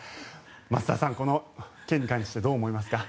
増田さん、この件に関してどう思いますか？